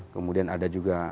kemudian ada juga